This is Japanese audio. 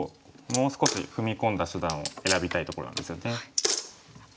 もう少し踏み込んだ手段を選びたいところなんですよね。